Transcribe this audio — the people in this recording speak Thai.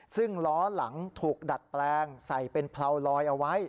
ซึ่งล้อหลังถูกดัดแปลงใส่เป็นเพลาลอยเอาไว้